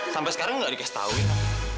sampai sekarang gak dikasih tahu ya